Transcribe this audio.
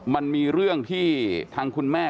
มันมีเรื่องที่ทางคุณแม่